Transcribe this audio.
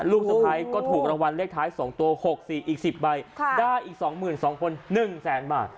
ลูกสะพ้ายก็ถูกรางวัลเลขท้าย๒ตัว๖๔อีก๑๐ใบได้อีก๒๒คน๑แสนบาท